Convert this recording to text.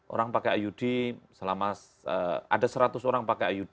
orang pakai iud selama ada seratus orang pakai iud